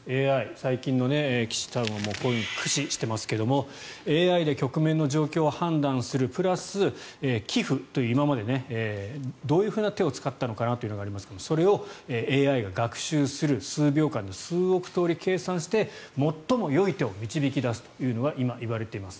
最近の棋士さんはこういうのを駆使していますがＡＩで局面の状況を判断するプラス今までどういうふうな手を使ったのかなというのがありますがそれをＡＩが学習する数秒間に数億通り計算して最もよい手を導き出すというのが今言われています。